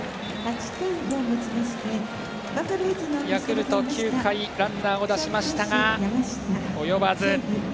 ヤクルト、９回ランナーを出しましたが及ばず。